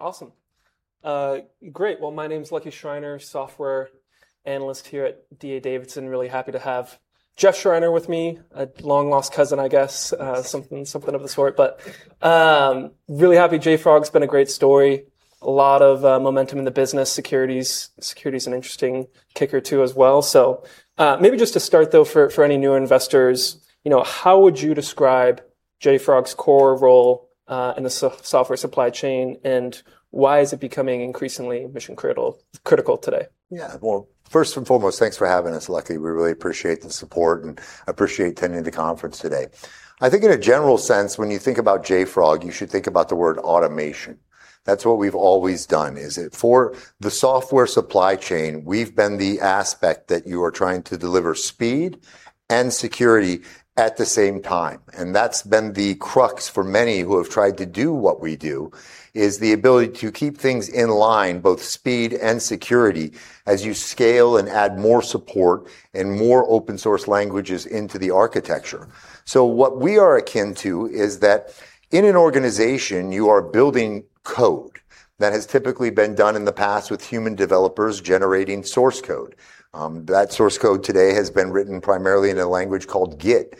Awesome. Great. Well, my name's Lucky Schreiner, software analyst here at D.A. Davidson. Really happy to have Jeffrey Schreiner with me, a long-lost cousin, I guess. Something of the sort. Really happy. JFrog's been a great story. A lot of momentum in the business. Security's an interesting kicker too as well. Maybe just to start though, for any new investors, how would you describe JFrog's core role in the software supply chain, and why is it becoming increasingly mission-critical today? Well, first and foremost, thanks for having us, Lucky. We really appreciate the support and appreciate attending the conference today. I think in a general sense, when you think about JFrog, you should think about the word automation. That's what we've always done, is it for the software supply chain, we've been the aspect that you are trying to deliver speed and security at the same time, and that's been the crux for many who have tried to do what we do, is the ability to keep things in line, both speed and security, as you scale and add more support and more open-source languages into the architecture. What we are akin to is that in an organization, you are building code that has typically been done in the past with human developers generating source code. That source code today has been written primarily in a language called Git.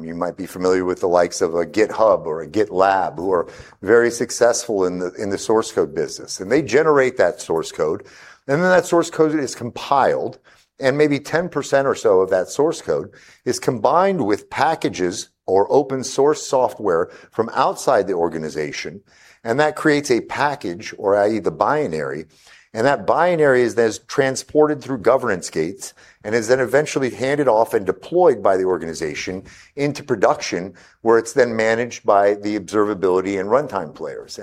You might be familiar with the likes of a GitHub or a GitLab who are very successful in the source code business. They generate that source code, and then that source code is compiled, and maybe 10% or so of that source code is combined with packages or open-source software from outside the organization, and that creates a package or i.e., the binary, and that binary is then transported through governance gates and is then eventually handed off and deployed by the organization into production, where it's then managed by the observability and runtime players.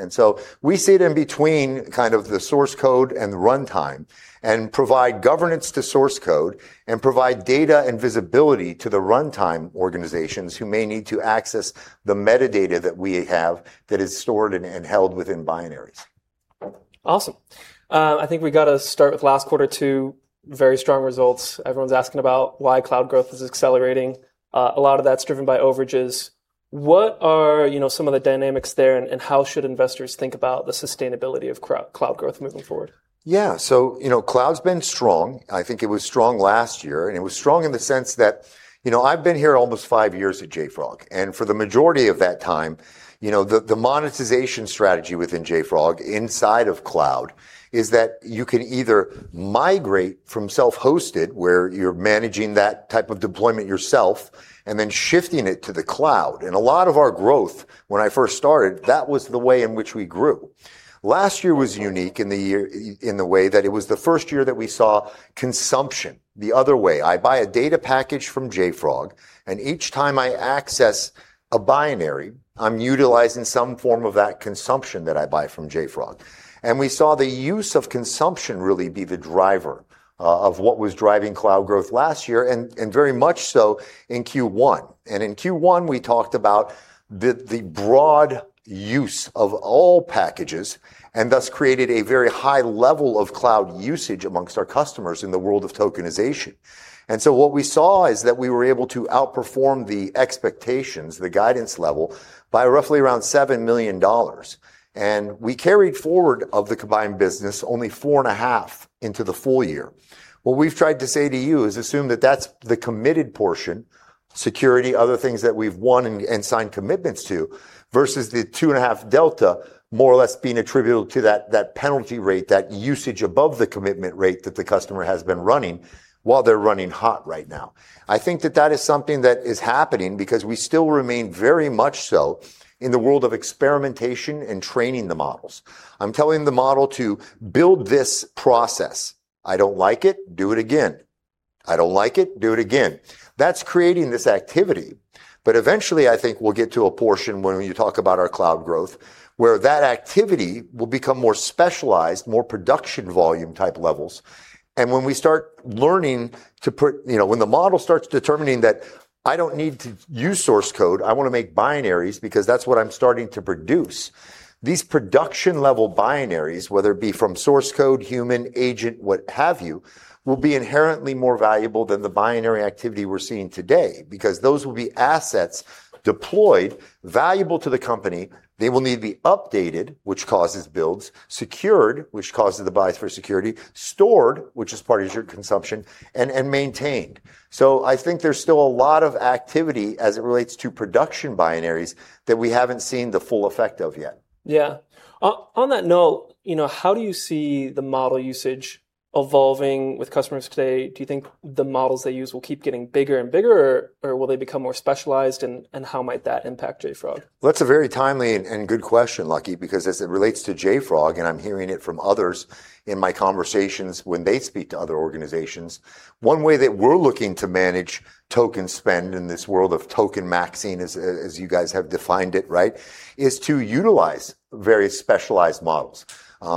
We sit in between kind of the source code and the runtime and provide governance to source code and provide data and visibility to the runtime organizations who may need to access the metadata that we have that is stored and held within binaries. Awesome. I think we got to start with last quarter two. Very strong results. Everyone's asking about why cloud growth is accelerating. A lot of that's driven by overages. What are some of the dynamics there, and how should investors think about the sustainability of cloud growth moving forward? Yeah. Cloud's been strong. I think it was strong last year, and it was strong in the sense that I've been here almost five years at JFrog, and for the majority of that time, the monetization strategy within JFrog, inside of cloud, is that you can either migrate from self-hosted, where you're managing that type of deployment yourself, and then shifting it to the cloud. A lot of our growth, when I first started, that was the way in which we grew. Last year was unique in the way that it was the first year that we saw consumption the other way. I buy a data package from JFrog, and each time I access a binary, I'm utilizing some form of that consumption that I buy from JFrog. We saw the use of consumption really be the driver of what was driving cloud growth last year, and very much so in Q1. In Q1, we talked about the broad use of all packages, and thus created a very high level of cloud usage amongst our customers in the world of tokenization. What we saw is that we were able to outperform the expectations, the guidance level, by roughly around $7 million. We carried forward of the combined business only four and a half into the full year. What we've tried to say to you is assume that that's the committed portion, security, other things that we've won and signed commitments to, versus the two and a half delta more or less being attributable to that penalty rate, that usage above the commitment rate that the customer has been running while they're running hot right now. I think that that is something that is happening because we still remain very much so in the world of experimentation and training the models. I'm telling the model to build this process. I don't like it, do it again. I don't like it, do it again. That's creating this activity. Eventually, I think we'll get to a portion when you talk about our cloud growth, where that activity will become more specialized, more production volume type levels. When the model starts determining that I don't need to use source code, I want to make binaries because that's what I'm starting to produce, these production-level binaries, whether it be from source code, human, agent, what have you, will be inherently more valuable than the binary activity we're seeing today because those will be assets deployed valuable to the company. They will need to be updated, which causes builds, secured, which causes the buys for security, stored, which is part of your consumption, and maintained. I think there's still a lot of activity as it relates to production binaries that we haven't seen the full effect of yet. Yeah. On that note, how do you see the model usage evolving with customers today? Do you think the models they use will keep getting bigger and bigger, or will they become more specialized, and how might that impact JFrog? That's a very timely and good question, Lucky, because as it relates to JFrog, I'm hearing it from others in my conversations when they speak to other organizations, one way that we're looking to manage token spend in this world of token maxing, as you guys have defined it, is to utilize very specialized models.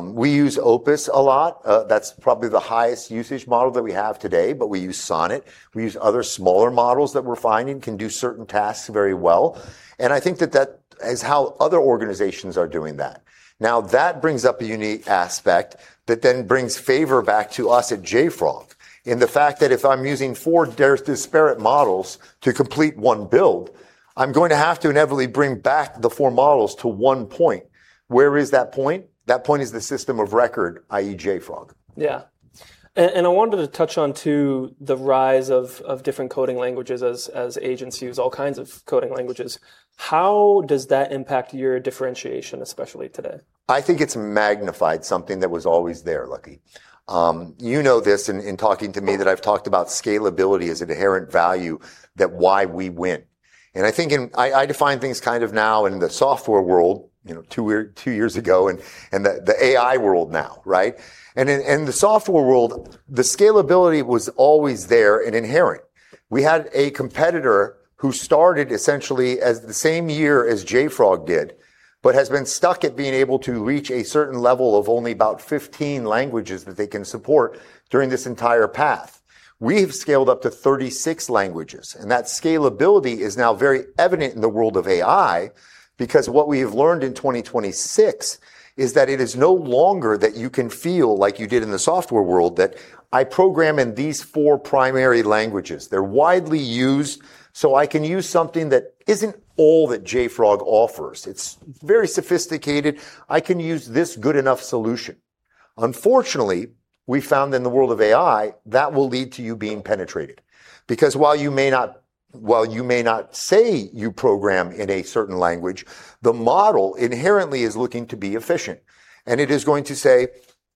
We use Opus a lot. That's probably the highest usage model that we have today. We use Sonnet, we use other smaller models that we are finding can do certain tasks very well, and I think that that is how other organizations are doing that. That brings up a unique aspect that then brings favor back to us at JFrog, in the fact that if I'm using four disparate models to complete one build, I'm going to have to inevitably bring back the four models to one point. Where is that point? That point is the system of record, i.e. JFrog. Yeah. I wanted to touch on, too, the rise of different coding languages as agents use all kinds of coding languages. How does that impact your differentiation, especially today? It's magnified something that was always there, Lucky. You know this in talking to me that I've talked about scalability as inherent value, that why we win. I think I define things kind of now in the software world, two years ago, and the AI world now, right? In the software world, the scalability was always there and inherent. We had a competitor who started essentially as the same year as JFrog did, but has been stuck at being able to reach a certain level of only about 15 languages that they can support during this entire path. We've scaled up to 36 languages, that scalability is now very evident in the world of AI because what we have learned in 2026 is that it is no longer that you can feel like you did in the software world, that I program in these four primary languages. They're widely used, so I can use something that isn't all that JFrog offers. It's very sophisticated. I can use this good enough solution. Unfortunately, we found in the world of AI, that will lead to you being penetrated. Because while you may not say you program in a certain language, the model inherently is looking to be efficient. It is going to say,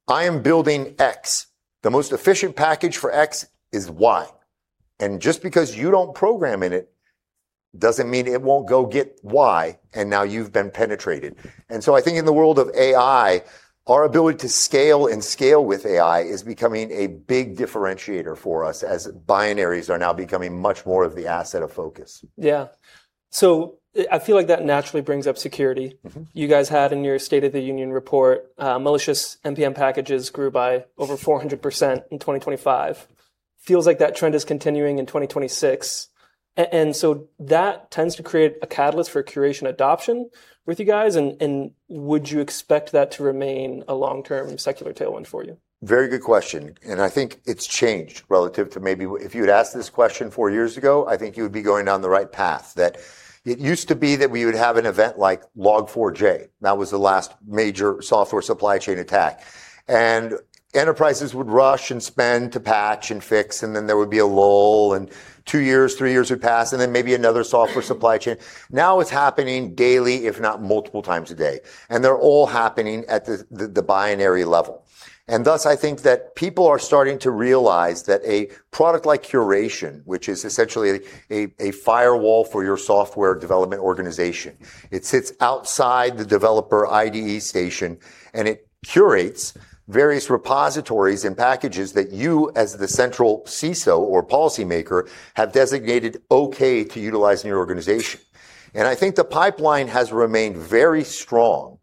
I am building X. The most efficient package for X is Y. Just because you don't program in it, doesn't mean it won't go get Y, and now you've been penetrated. In the world of AI, our ability to scale and scale with AI is becoming a big differentiator for us, as binaries are now becoming much more of the asset of focus. Yeah. I feel like that naturally brings up security. You guys had in your State of the Union report, malicious NPM packages grew by over 400% in 2025. Feels like that trend is continuing in 2026. That tends to create a catalyst for Curation adoption with you guys, and would you expect that to remain a long-term secular tailwind for you? Very good question. I think it's changed relative to maybe if you'd asked this question four years ago, I think you would be going down the right path, that it used to be that we would have an event like Log4j. That was the last major software supply chain attack. Enterprises would rush and spend to patch and fix, and then there would be a lull, and two years, three years would pass, and then maybe another software supply chain. Now it's happening daily, if not multiple times a day. They're all happening at the binary level. Thus, I think that people are starting to realize that a product like Curation, which is essentially a firewall for your software development organization. It sits outside the developer IDE station, and it curates various repositories and packages that you, as the central CISO or policymaker, have designated okay to utilize in your organization. I think the pipeline has remained very strong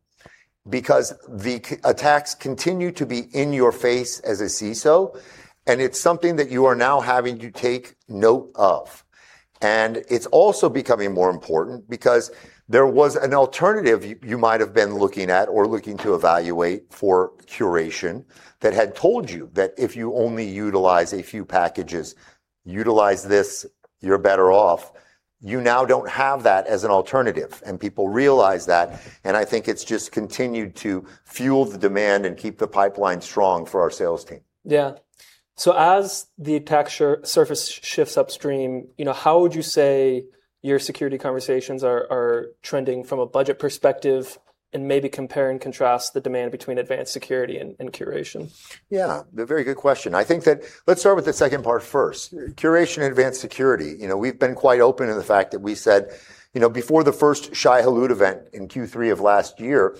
because the attacks continue to be in your face as a CISO, and it's something that you are now having to take note of. It's also becoming more important because there was an alternative you might've been looking at or looking to evaluate for Curation that had told you that if you only utilize a few packages, utilize this, you're better off. You now don't have that as an alternative, and people realize that, and I think it's just continued to fuel the demand and keep the pipeline strong for our sales team. Yeah. As the attack surface shifts upstream, how would you say your security conversations are trending from a budget perspective, and maybe compare and contrast the demand between JFrog Advanced Security and Curation? Yeah. A very good question. I think that, let's start with the second part first. Curation and JFrog Advanced Security. We've been quite open in the fact that we said, before the first Log4Shell event in Q3 of last year,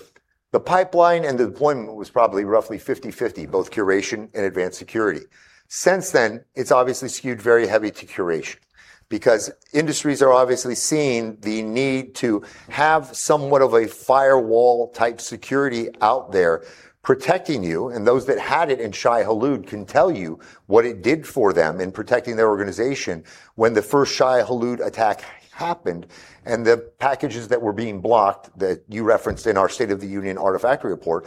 the pipeline and the deployment was probably roughly 50/50, both Curation and JFrog Advanced Security. Since then, it's obviously skewed very heavy to Curation because industries are obviously seeing the need to have somewhat of a firewall type security out there protecting you, and those that had it in Log4Shell can tell you what it did for them in protecting their organization when the first Log4Shell attack happened, and the packages that were being blocked that you referenced in our State of the Union Artifactory report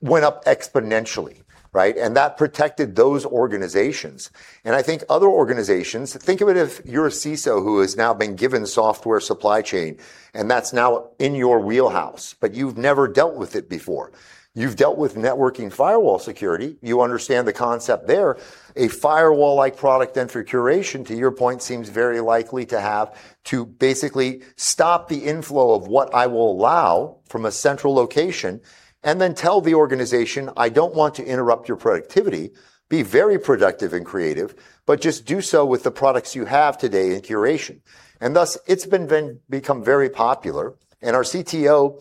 went up exponentially, right? That protected those organizations. Other organizations, think of it if you're a CISO who has now been given software supply chain, and that's now in your wheelhouse, but you've never dealt with it before. You've dealt with networking firewall security. You understand the concept there. A firewall-like product then for Curation, to your point, seems very likely to have to basically stop the inflow of what I will allow from a central location, then tell the organization, I don't want to interrupt your productivity. Be very productive and creative, but just do so with the products you have today in Curation. Thus, it's become very popular, and our CTO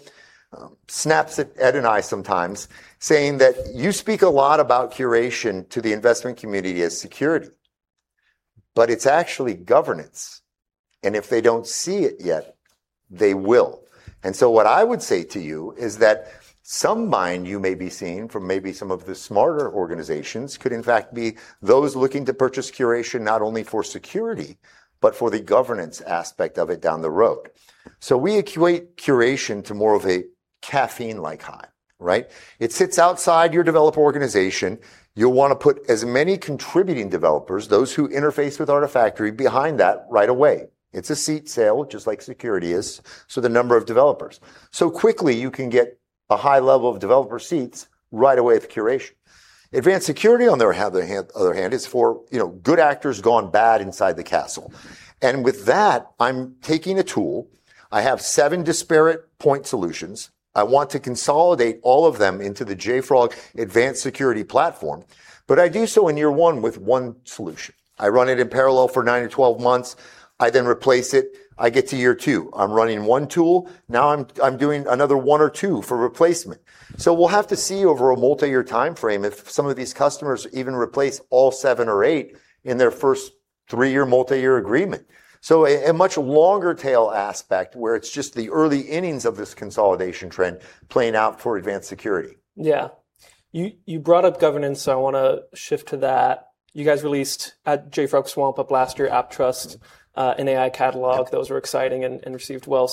snaps at Ed and I sometimes saying that, you speak a lot about Curation to the investment community as security, but it's actually governance, if they don't see it yet, they will. What I would say to you is that some mind you may be seeing from maybe some of the smarter organizations could in fact be those looking to purchase Curation not only for security, but for the governance aspect of it down the road. We equate Curation to more of a caffeine-like high, right? It sits outside your developer organization. You'll want to put as many contributing developers, those who interface with Artifactory, behind that right away. It's a seat sale, just like security is, so the number of developers. Quickly, you can get a high level of developer seats right away with Curation. Advanced Security, on the other hand, is for good actors gone bad inside the castle. With that, I'm taking a tool. I have seven disparate point solutions. I want to consolidate all of them into the JFrog Advanced Security platform. I do so in year one with one solution. I run it in parallel for 9 to 12 months. I replace it. I get to year two. I'm running one tool. Now I'm doing another one or two for replacement. We'll have to see over a multi-year timeframe if some of these customers even replace all seven or eight in their first three-year, multi-year agreement. A much longer tail aspect where it's just the early innings of this consolidation trend playing out for Advanced Security. Yeah. You brought up governance, I want to shift to that. You guys released at JFrog swampUP last year AppTrust and AI Catalog. Those were exciting and received well.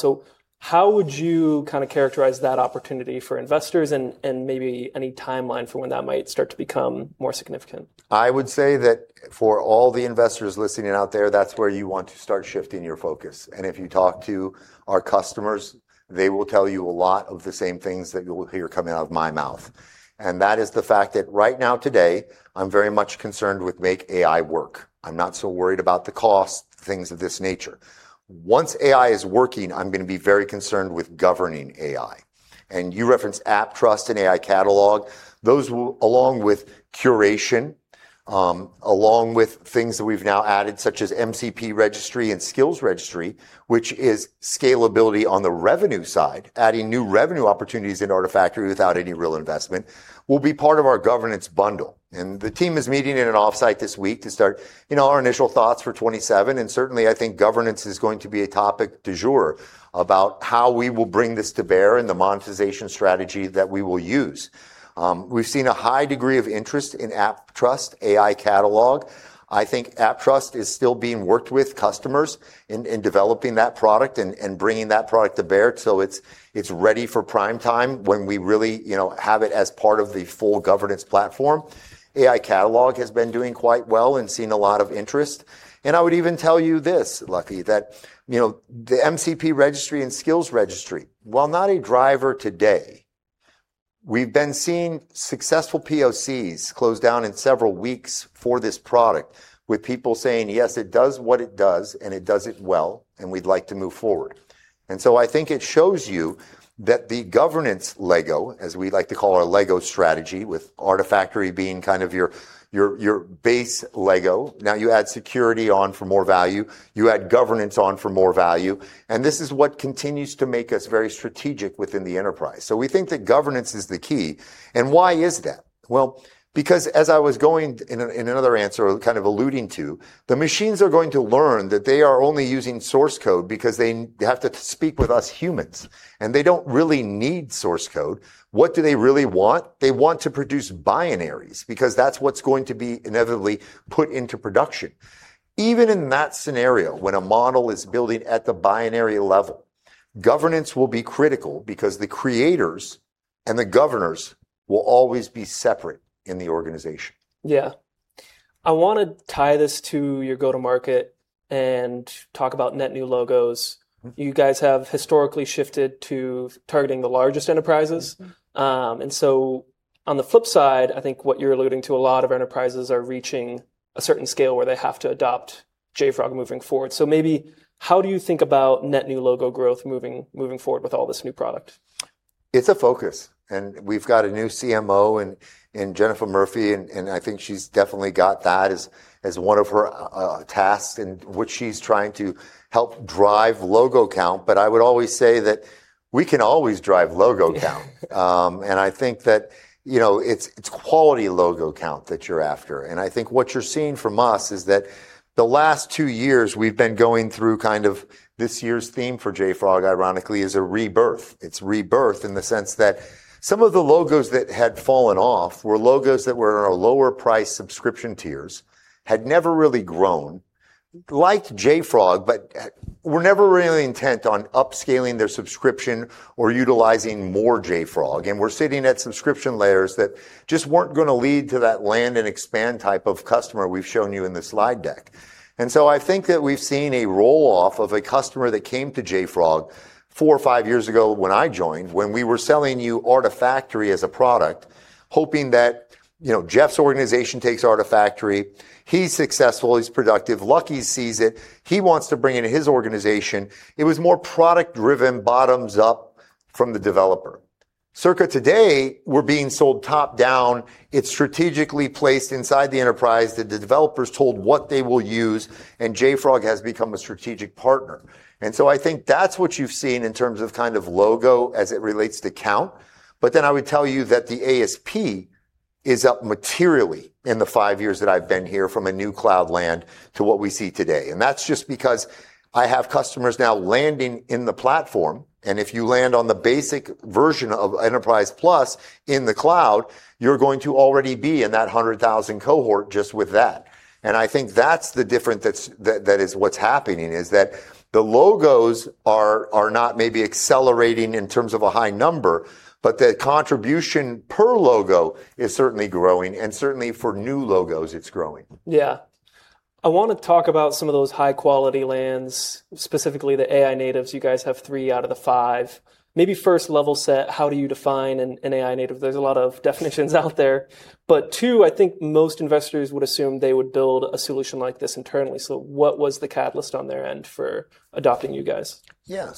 How would you characterize that opportunity for investors and maybe any timeline for when that might start to become more significant? I would say that for all the investors listening out there, that's where you want to start shifting your focus. If you talk to our customers, they will tell you a lot of the same things that you'll hear coming out of my mouth. That is the fact that right now today, I'm very much concerned with make AI work. I'm not so worried about the cost, things of this nature. Once AI is working, I'm going to be very concerned with governing AI. You referenced AppTrust and AI Catalog. Those, along with Curation, along with things that we've now added, such as MCP Registry and Skills Registry, which is scalability on the revenue side, adding new revenue opportunities in Artifactory without any real investment, will be part of our governance bundle. The team is meeting in an offsite this week to start our initial thoughts for 2027, and certainly, I think governance is going to be a topic du jour about how we will bring this to bear and the monetization strategy that we will use. We've seen a high degree of interest in AppTrust, AI Catalog. I think AppTrust is still being worked with customers in developing that product and bringing that product to bear so it's ready for primetime when we really have it as part of the full governance platform. AI Catalog has been doing quite well and seen a lot of interest. I would even tell you this, Lucky, that the MCP Registry and Skills Registry, while not a driver today, we've been seeing successful POCs close down in several weeks for this product, with people saying, yes, it does what it does, and it does it well, and we'd like to move forward. I think it shows you that the governance Lego, as we like to call our Lego strategy, with Artifactory being kind of your base Lego. Now you add security on for more value. You add governance on for more value. This is what continues to make us very strategic within the enterprise. We think that governance is the key. Why is that? Because as I was going, in another answer, kind of alluding to, the machines are going to learn that they are only using source code because they have to speak with us humans, and they don't really need source code. What do they really want? They want to produce binaries because that's what's going to be inevitably put into production. Even in that scenario, when a model is building at the binary level, governance will be critical because the creators and the governors will always be separate in the organization. I want to tie this to your go-to-market and talk about net new logos. You guys have historically shifted to targeting the largest enterprises. On the flip side, I think what you're alluding to, a lot of enterprises are reaching a certain scale where they have to adopt JFrog moving forward. Maybe how do you think about net new logo growth moving forward with all this new product? It's a focus, and we've got a new CMO in Genefa Murphy, and I think she's definitely got that as one of her tasks in which she's trying to help drive logo count. I would always say that we can always drive logo count. Yeah. That it's quality logo count that you're after. I think what you're seeing from us is that the last two years we've been going through kind of this year's theme for JFrog, ironically, is a rebirth. It's rebirth in the sense that some of the logos that had fallen off were logos that were in our lower price subscription tiers, had never really grown, liked JFrog, but were never really intent on upscaling their subscription or utilizing more JFrog. Were sitting at subscription layers that just weren't going to lead to that land and expand type of customer we've shown you in the slide deck. I think that we've seen a roll-off of a customer that came to JFrog four or five years ago when I joined, when we were selling you Artifactory as a product, hoping that Jeff's organization takes Artifactory. He's successful, he's productive. Lucky sees it. He wants to bring it into his organization. It was more product driven, bottoms up from the developer. Circa today, we're being sold top-down. It's strategically placed inside the enterprise that the developer's told what they will use, JFrog has become a strategic partner. I think that's what you've seen in terms of logo as it relates to count. I would tell you that the ASP is up materially in the five years that I've been here from a new cloud land to what we see today. That's just because I have customers now landing in the platform, and if you land on the basic version of Enterprise+ in the cloud, you're going to already be in that 100,000 cohort just with that. That's the difference that is what's happening, is that the logos are not maybe accelerating in terms of a high number, the contribution per logo is certainly growing, and certainly for new logos, it's growing. Yeah. I want to talk about some of those high-quality lands, specifically the AI natives. You guys have three out of the five. Maybe first, level set, how do you define an AI native? There's a lot of definitions out there. Two, I think most investors would assume they would build a solution like this internally. What was the catalyst on their end for adopting you guys? Yeah.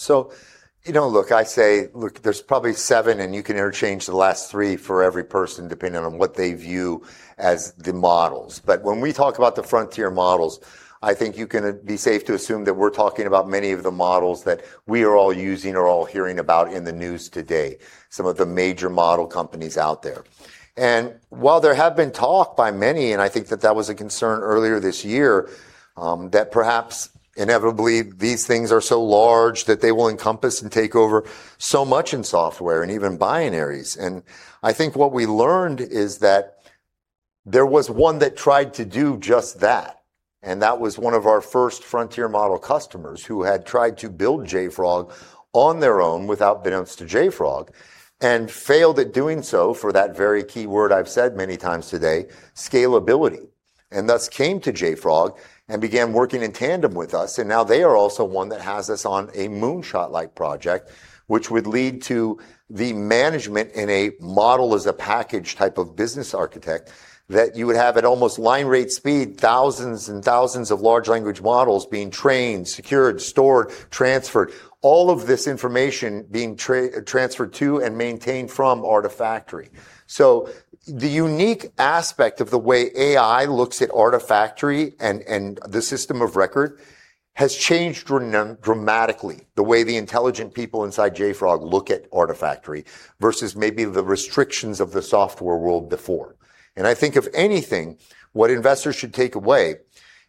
Look, I say there's probably seven, you can interchange the last three for every person, depending on what they view as the models. When we talk about the frontier models, I think you can be safe to assume that we're talking about many of the models that we are all using or all hearing about in the news today, some of the major model companies out there. While there have been talk by many, and I think that that was a concern earlier this year, that perhaps inevitably these things are so large that they will encompass and take over so much in software and even binaries. What we learned is that there was one that tried to do just that, and that was one of our first frontier model customers who had tried to build JFrog on their own without benevolence to JFrog, and failed at doing so for that very key word I have said many times today, scalability, thus came to JFrog and began working in tandem with us. Now they are also one that has us on a moonshot-like project, which would lead to the management in a model as a package type of business architect that you would have at almost line rate speed, thousands of large language models being trained, secured, stored, transferred, all of this information being transferred to and maintained from Artifactory. The unique aspect of the way AI looks at Artifactory and the system of record has changed dramatically the way the intelligent people inside JFrog look at Artifactory versus maybe the restrictions of the software world before. I think if anything, what investors should take away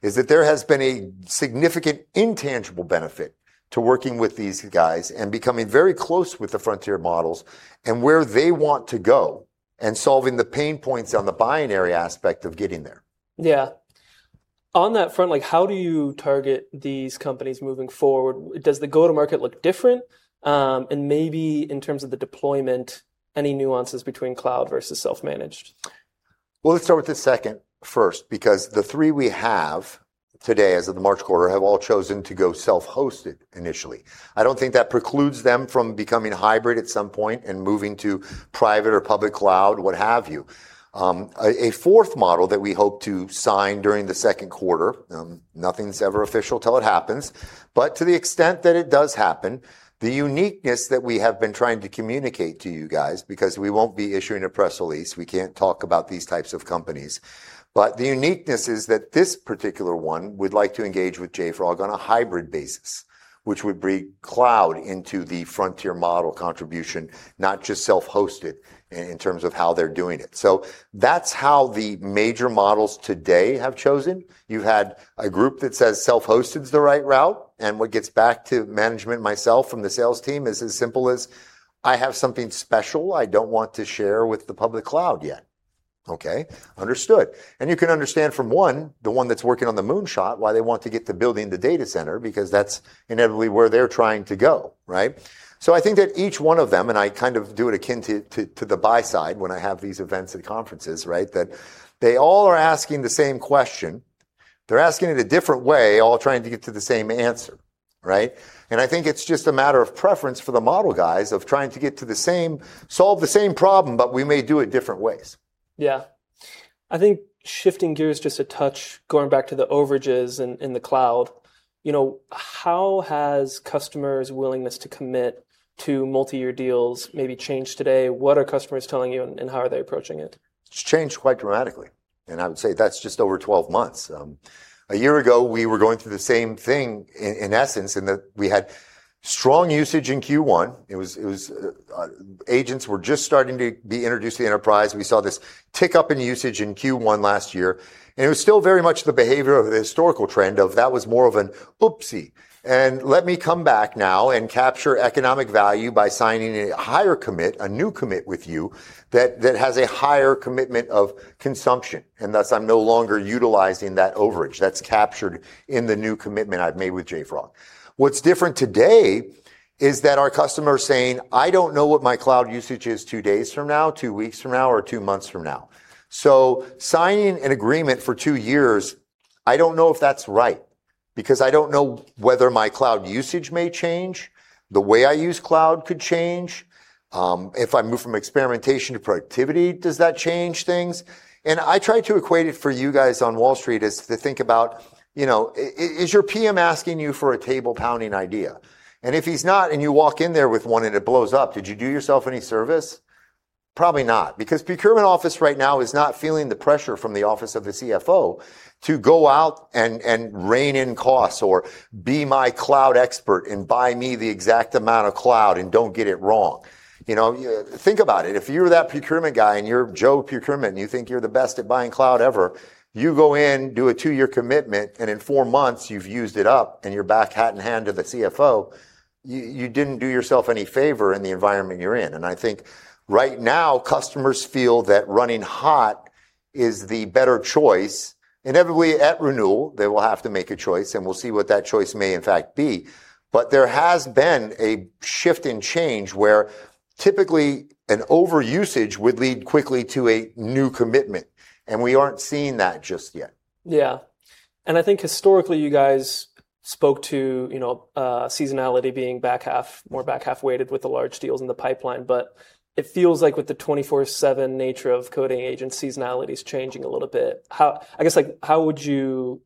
is that there has been a significant intangible benefit to working with these guys and becoming very close with the frontier models and where they want to go, and solving the pain points on the binary aspect of getting there. Yeah. On that front, how do you target these companies moving forward? Does the go-to-market look different? Maybe in terms of the deployment, any nuances between cloud versus self-managed? Well, let us start with the second first, because the three we have today, as of the March quarter, have all chosen to go self-hosted initially. I do not think that precludes them from becoming hybrid at some point and moving to private or public cloud, what have you. A fourth model that we hope to sign during the second quarter, nothing is ever official until it happens, but to the extent that it does happen, the uniqueness that we have been trying to communicate to you guys, because we will not be issuing a press release, we cannot talk about these types of companies, but the uniqueness is that this particular one would like to engage with JFrog on a hybrid basis, which would bring cloud into the frontier model contribution, not just self-hosted in terms of how they are doing it. That is how the major models today have chosen. You had a group that says self-hosted is the right route, and what gets back to management myself from the sales team is as simple as, I have something special I don't want to share with the public cloud yet. Okay, understood. You can understand from one, the one that's working on the moonshot, why they want to get to building the data center, because that's inevitably where they're trying to go. Right? I think that each one of them, and I do it akin to the buy side when I have these events at conferences, right, that they all are asking the same question. They're asking it a different way, all trying to get to the same answer. Right? It's just a matter of preference for the model guys of trying to get to the same, solve the same problem, but we may do it different ways. Yeah. I think shifting gears just a touch, going back to the overages in the cloud, how has customers' willingness to commit to multi-year deals maybe changed today? What are customers telling you, and how are they approaching it? It's changed quite dramatically, and I would say that's just over 12 months. A year ago, we were going through the same thing in essence, in that we had strong usage in Q1. Agents were just starting to be introduced to the enterprise. We saw this tick up in usage in Q1 last year, and it was still very much the behavior of the historical trend of that was more of an oopsie, and let me come back now and capture economic value by signing a higher commit, a new commit with you that has a higher commitment of consumption, and thus I'm no longer utilizing that overage. That's captured in the new commitment I've made with JFrog. What's different today is that our customers are saying, I don't know what my cloud usage is two days from now, two weeks from now, or two months from now. Signing an agreement for two years, I don't know if that's right because I don't know whether my cloud usage may change, the way I use cloud could change. If I move from experimentation to productivity, does that change things? I try to equate it for you guys on Wall Street is to think about, is your PM asking you for a table-pounding idea? If he's not and you walk in there with one and it blows up, did you do yourself any service? Probably not, because procurement office right now is not feeling the pressure from the office of the CFO to go out and rein in costs or be my cloud expert and buy me the exact amount of cloud and don't get it wrong. Think about it. If you're that procurement guy and you're Joe Procurement and you think you're the best at buying cloud ever, you go in, do a two-year commitment, and in four months you've used it up and you're back hat in hand to the CFO, you didn't do yourself any favor in the environment you're in. I think right now, customers feel that running hot is the better choice. Inevitably at renewal, they will have to make a choice, and we'll see what that choice may in fact be. There has been a shift and change where typically an overusage would lead quickly to a new commitment, and we aren't seeing that just yet. Yeah. I think historically, you guys spoke to seasonality being more back half weighted with the large deals in the pipeline. It feels like with the 24/7 nature of coding agents, seasonality is changing a little bit. I guess, how would you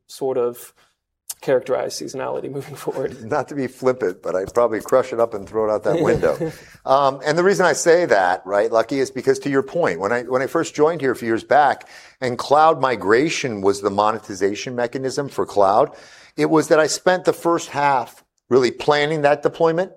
characterize seasonality moving forward? Not to be flippant, I'd probably crush it up and throw it out that window. The reason I say that, right, Lucky, is because to your point, when I first joined here a few years back and cloud migration was the monetization mechanism for cloud, it was that I spent the first half really planning that deployment.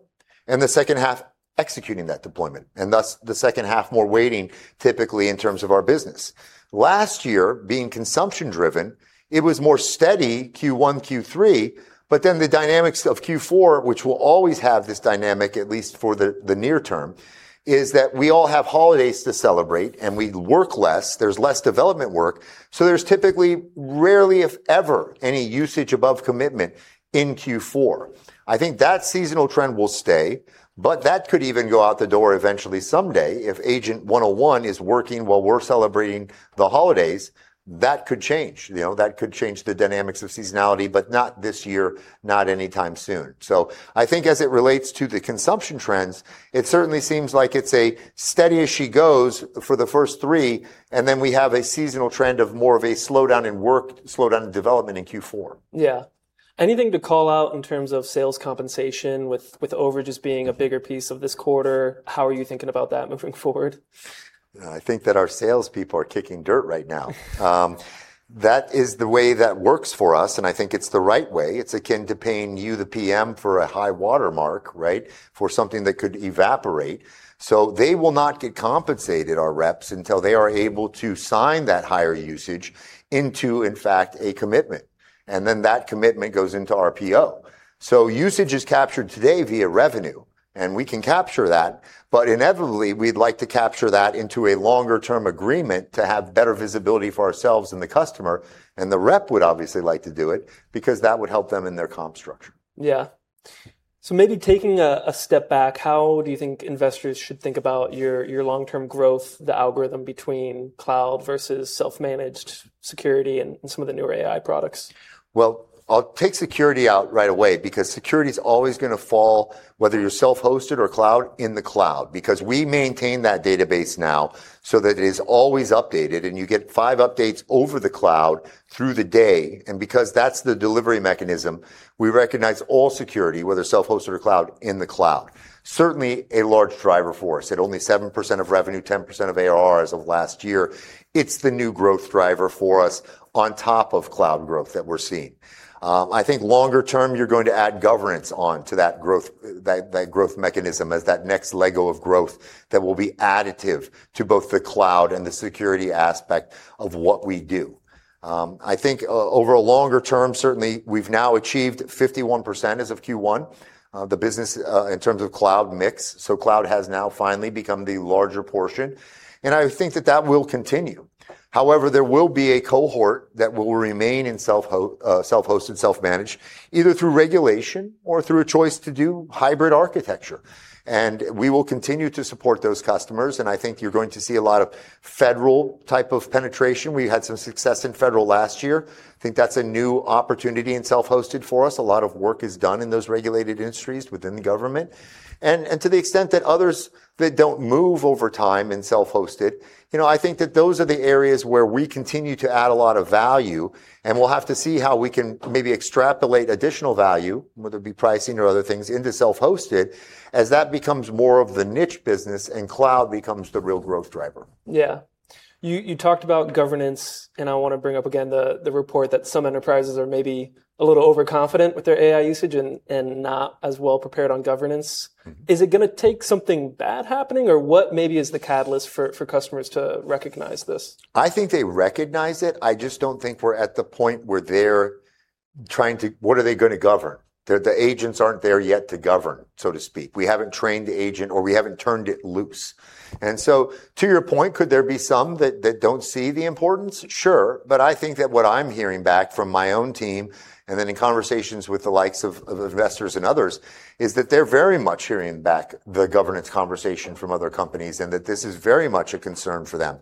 The second half executing that deployment, and thus the second half more waiting typically in terms of our business. Last year, being consumption-driven, it was more steady Q1, Q3. The dynamics of Q4, which will always have this dynamic, at least for the near term, is that we all have holidays to celebrate and we work less. There's less development work, so there's typically rarely if ever any usage above commitment in Q4. That seasonal trend will stay, but that could even go out the door eventually someday. If Agent 101 is working while we are celebrating the holidays, that could change. That could change the dynamics of seasonality, but not this year, not anytime soon. I think as it relates to the consumption trends, it certainly seems like it is a steady as she goes for the first three, and then we have a seasonal trend of more of a slowdown in work, slowdown in development in Q4. Yeah. Anything to call out in terms of sales compensation with overages being a bigger piece of this quarter? How are you thinking about that moving forward? I think that our salespeople are kicking dirt right now. That is the way that works for us, and I think it is the right way. It is akin to paying you, the PM, for a high watermark, right, for something that could evaporate. They will not get compensated, our reps, until they are able to sign that higher usage into, in fact, a commitment. That commitment goes into RPO. Usage is captured today via revenue, and we can capture that, but inevitably, we would like to capture that into a longer-term agreement to have better visibility for ourselves and the customer, and the rep would obviously like to do it because that would help them in their comp structure. Yeah. Maybe taking a step back, how do you think investors should think about your long-term growth, the algorithm between cloud versus self-managed security and some of the newer AI products? I'll take security out right away because security's always going to fall, whether you're self-hosted or cloud, in the cloud. We maintain that database now, so that it is always updated, and you get five updates over the cloud through the day. That's the delivery mechanism, we recognize all security, whether self-hosted or cloud, in the cloud. Certainly a large driver for us. At only 7% of revenue, 10% of ARR as of last year, it's the new growth driver for us on top of cloud growth that we're seeing. I think longer term, you're going to add governance on to that growth mechanism as that next Lego of growth that will be additive to both the cloud and the security aspect of what we do. Over a longer term, certainly we've now achieved 51% as of Q1, the business in terms of cloud mix, so cloud has now finally become the larger portion, and I think that that will continue. However, there will be a cohort that will remain in self-hosted, self-managed, either through regulation or through a choice to do hybrid architecture. We will continue to support those customers, and I think you're going to see a lot of federal type of penetration. We had some success in federal last year. I think that's a new opportunity in self-hosted for us. A lot of work is done in those regulated industries within the government. To the extent that others that don't move over time in self-hosted, I think that those are the areas where we continue to add a lot of value, and we'll have to see how we can maybe extrapolate additional value, whether it be pricing or other things, into self-hosted, as that becomes more of the niche business and cloud becomes the real growth driver. Yeah. You talked about governance, I want to bring up again the report that some enterprises are maybe a little overconfident with their AI usage and not as well prepared on governance. Is it going to take something bad happening, or what maybe is the catalyst for customers to recognize this? They recognize it. I just don't think we're at the point where they're trying to What are they going to govern? The agents aren't there yet to govern, so to speak. We haven't trained the agent, or we haven't turned it loose. To your point, could there be some that don't see the importance? Sure. I think that what I'm hearing back from my own team, and then in conversations with the likes of investors and others, is that they're very much hearing back the governance conversation from other companies, and that this is very much a concern for them.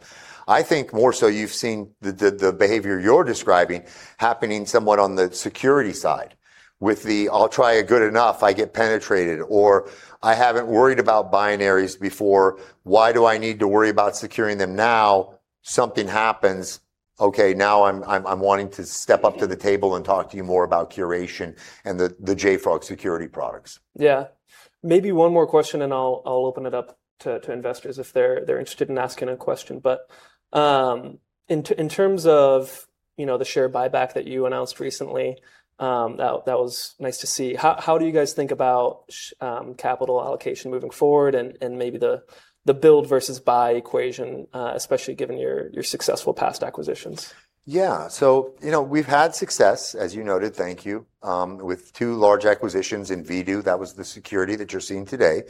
I think more so you've seen the behavior you're describing happening somewhat on the security side with the, I'll try it good enough, I get penetrated, or, I haven't worried about binaries before. Why do I need to worry about securing them now? Something happens. Okay, now I'm wanting to step up to the table and talk to you more about Curation and the JFrog security products. Yeah. Maybe one more question and I'll open it up to investors if they're interested in asking a question. In terms of the share buyback that you announced recently, that was nice to see. How do you guys think about capital allocation moving forward and maybe the build versus buy equation, especially given your successful past acquisitions? Yeah. We've had success, as you noted, thank you, with two large acquisitions in Vdoo. That was the security that you're seeing today.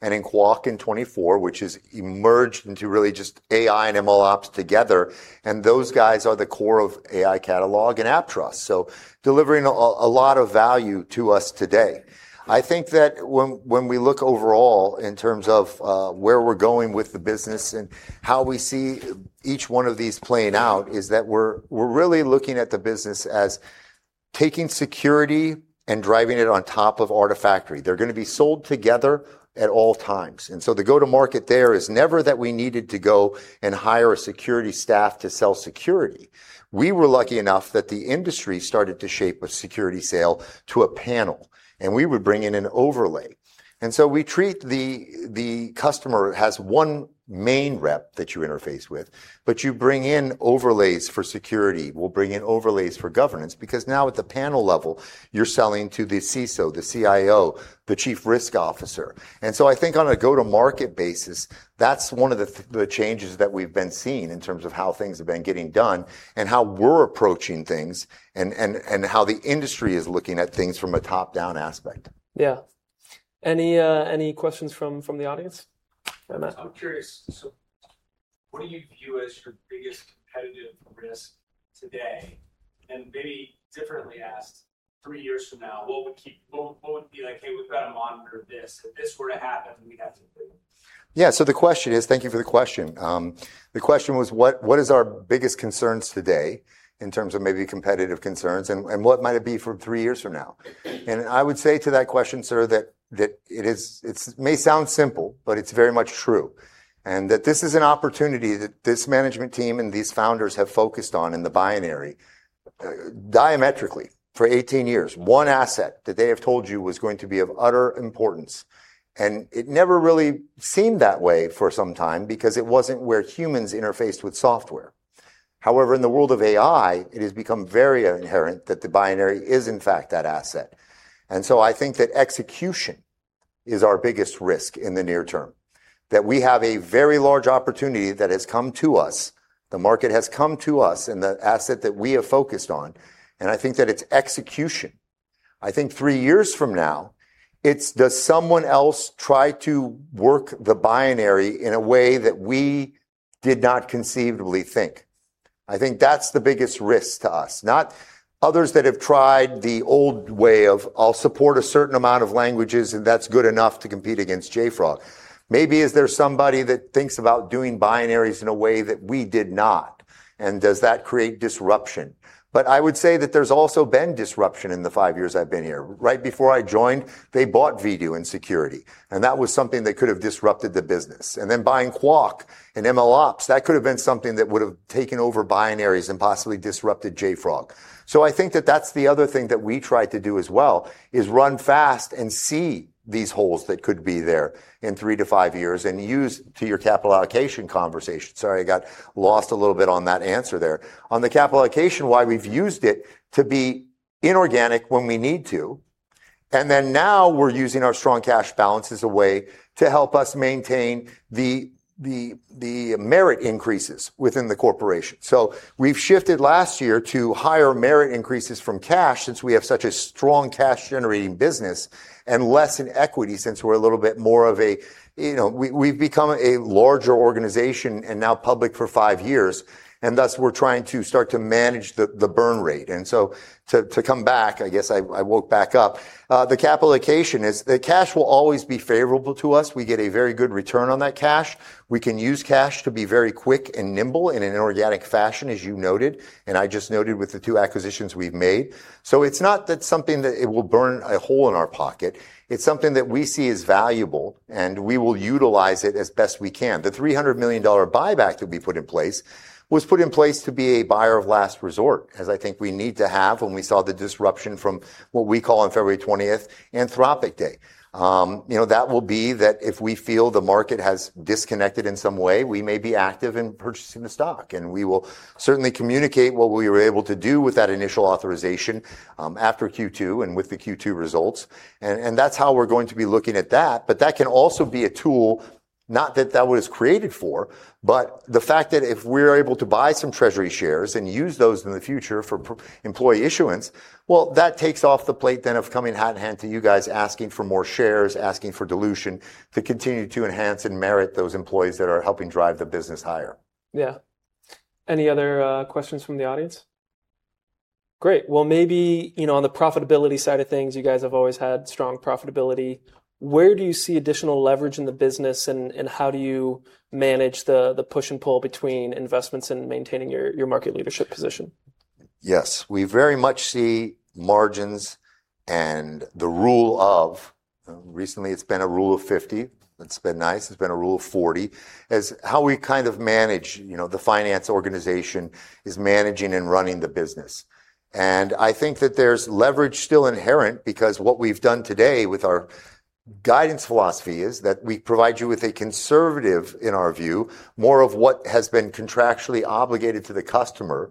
In Qwak in 2024, which has emerged into really just AI and MLOps together, and those guys are the core of AI Catalog and AppTrust, delivering a lot of value to us today. I think that when we look overall in terms of where we're going with the business and how we see each one of these playing out, is that we're really looking at the business as taking security and driving it on top of Artifactory. They're going to be sold together at all times. The go-to-market there is never that we needed to go and hire a security staff to sell security. We were lucky enough that the industry started to shape a security sale to a panel, and we would bring in an overlay. We treat the customer has one main rep that you interface with, but you bring in overlays for security. We'll bring in overlays for governance because now at the panel level, you're selling to the CISO, the CIO, the chief risk officer. I think on a go-to-market basis, that's one of the changes that we've been seeing in terms of how things have been getting done and how we're approaching things and how the industry is looking at things from a top-down aspect. Yeah. Any questions from the audience? Hi, Matt. I'm curious, so what do you view as your biggest competitive risk today? Maybe differently asked, three years from now, what would be like, hey, we've got to monitor this. If this were to happen, we'd have to Yeah. Thank you for the question. The question was what is our biggest concerns today in terms of maybe competitive concerns, and what might it be for three years from now? I would say to that question, sir, that it may sound simple, but it is very much true. This is an opportunity that this management team and these founders have focused on in the binary diametrically for 18 years. One asset that they have told you was going to be of utter importance, and it never really seemed that way for some time because it was not where humans interfaced with software. However, in the world of AI, it has become very inherent that the binary is, in fact, that asset. I think that execution is our biggest risk in the near term, that we have a very large opportunity that has come to us. The market has come to us, the asset that we have focused on, and I think that it is execution. I think three years from now, it is does someone else try to work the binary in a way that we did not conceivably think. I think that is the biggest risk to us, not others that have tried the old way of I will support a certain amount of languages, and that is good enough to compete against JFrog. Maybe is there somebody that thinks about doing binaries in a way that we did not, and does that create disruption? I would say that there has also been disruption in the five years I have been here. Right before I joined, they bought Vdoo and Security, and that was something that could have disrupted the business. Buying Qwak and MLOps, that could have been something that would have taken over binaries and possibly disrupted JFrog. That is the other thing that we try to do as well, is run fast and see these holes that could be there in three to five years and use to your capital allocation conversation. Sorry, I got lost a little bit on that answer there. On the capital allocation, why we have used it to be inorganic when we need to, now we are using our strong cash balance as a way to help us maintain the merit increases within the corporation. We have shifted last year to higher merit increases from cash since we have such a strong cash-generating business and less in equity since we are a little bit more of a We have become a larger organization and now public for five years, and thus, we are trying to start to manage the burn rate. To come back, I guess I woke back up. The capital allocation is the cash will always be favorable to us. We get a very good return on that cash. We can use cash to be very quick and nimble in an inorganic fashion, as you noted, and I just noted with the two acquisitions we have made. It is not that something that it will burn a hole in our pocket. It is something that we see as valuable, and we will utilize it as best we can. The $300 million buyback that we put in place was put in place to be a buyer of last resort, as I think we need to have when we saw the disruption from what we call on February 20th, Anthropic Day. That will be that if we feel the market has disconnected in some way, we may be active in purchasing the stock, and we will certainly communicate what we were able to do with that initial authorization, after Q2 and with the Q2 results. That's how we're going to be looking at that, but that can also be a tool, not that that was created for, but the fact that if we're able to buy some treasury shares and use those in the future for employee issuance, well, that takes off the plate then of coming hat in hand to you guys asking for more shares, asking for dilution to continue to enhance and merit those employees that are helping drive the business higher. Yeah. Any other questions from the audience? Great. Well, maybe, on the profitability side of things, you guys have always had strong profitability. Where do you see additional leverage in the business, and how do you manage the push and pull between investments and maintaining your market leadership position? Yes. We very much see margins and the rule of, recently it's been a rule of 50, it's been nice. It's been a rule of 40, as how we kind of manage the finance organization is managing and running the business. I think that there's leverage still inherent because what we've done today with our guidance philosophy is that we provide you with a conservative, in our view, more of what has been contractually obligated to the customer.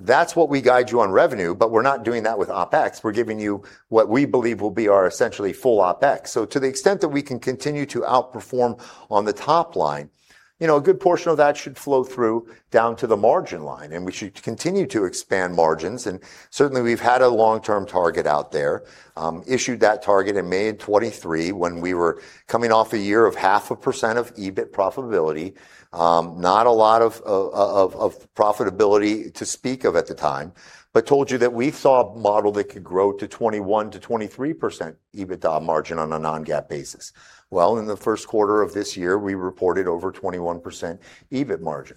That's what we guide you on revenue, but we're not doing that with OpEx. We're giving you what we believe will be our essentially full OpEx. To the extent that we can continue to outperform on the top line, a good portion of that should flow through down to the margin line, and we should continue to expand margins. Certainly, we've had a long-term target out there, issued that target in May of 2023 when we were coming off a year of half a percent of EBIT profitability. Not a lot of profitability to speak of at the time, but told you that we saw a model that could grow to 21%-23% EBITDA margin on a non-GAAP basis. Well, in the first quarter of this year, we reported over 21% EBIT margin.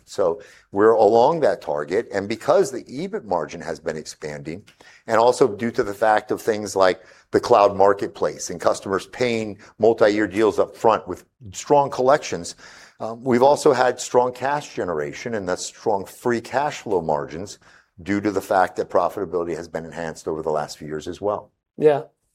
We're along that target, and because the EBIT margin has been expanding, and also due to the fact of things like the cloud marketplace and customers paying multi-year deals up front with strong collections. We've also had strong cash generation and thus strong free cash flow margins due to the fact that profitability has been enhanced over the last few years as well.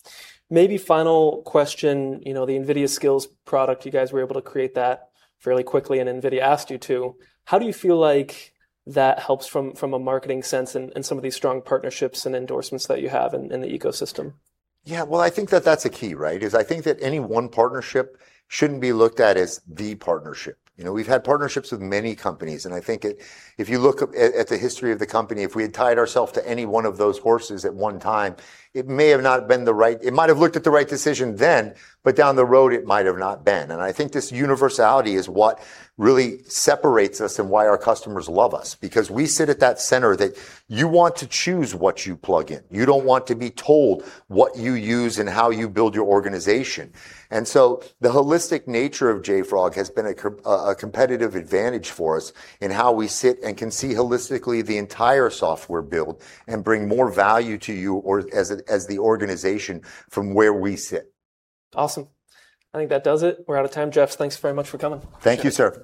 Yeah. Maybe final question, the NVIDIA Skills product, you guys were able to create that fairly quickly, and NVIDIA asked you to. How do you feel like that helps from a marketing sense and some of these strong partnerships and endorsements that you have in the ecosystem? Yeah. Well, I think that that's a key, right? Is I think that any one partnership shouldn't be looked at as the partnership. We've had partnerships with many companies, and I think if you look at the history of the company, if we had tied ourself to any one of those horses at one time, it might have looked like the right decision then, but down the road it might have not been. I think this universality is what really separates us and why our customers love us because we sit at that center that you want to choose what you plug in. You don't want to be told what you use and how you build your organization. The holistic nature of JFrog has been a competitive advantage for us in how we sit and can see holistically the entire software build and bring more value to you or as the organization from where we sit. Awesome. I think that does it. We're out of time, Jeff. Thanks very much for coming. Thank you, sir.